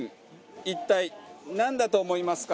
一体なんだと思いますか？